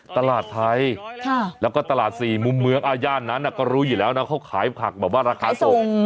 ตลาดไทยแล้วก็ตลาดสี่มุมเมืองย่านนั้นก็รู้อยู่แล้วนะเขาขายผักแบบว่าราคาส่ง